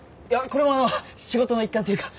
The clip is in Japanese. これも仕事の一環っていうか。